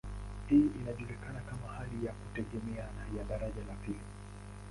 Hii inajulikana kama hali ya kutegemeana ya daraja la pili.